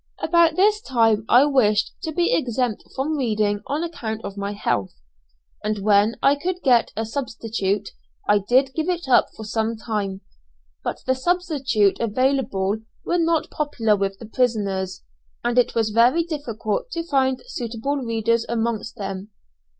About this time I wished to be exempted from reading on account of my health, and when I could get a substitute I did give it up for some time; but the substitutes available were not popular with the prisoners, and it was very difficult to find suitable readers amongst them.